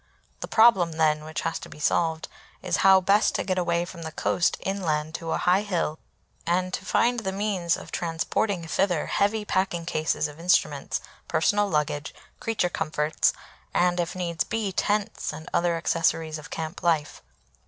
The problem then which has to be solved is, how best to get away from the coast inland to a high hill, and to find the means of transporting thither heavy packing cases of instruments, personal luggage, creature comforts, and, if needs be, tents and the other accessories of camp life.